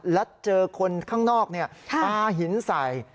และเจอคนข้างนอกปลาหินใส่